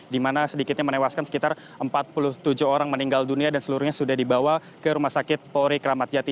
di mana sedikitnya menewaskan sekitar empat puluh tujuh orang meninggal dunia dan seluruhnya sudah dibawa ke rumah sakit polri kramat jati